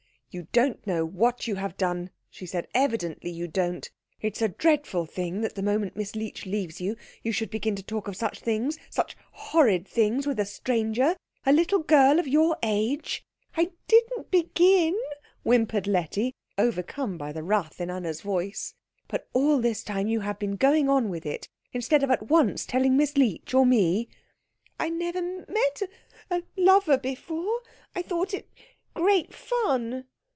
"You don't know what you have done," she said, "evidently you don't. It is a dreadful thing that the moment Miss Leech leaves you you should begin to talk of such things such horrid things with a stranger. A little girl of your age " "I didn't begin," whimpered Letty, overcome by the wrath in Anna's voice. "But all this time you have been going on with it, instead of at once telling Miss Leech or me." "I never met a a lover before I thought it great fun."